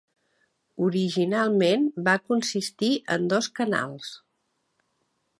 Originalment va consistir en dos canals.